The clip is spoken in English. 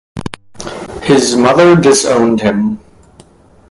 His mother disowned him.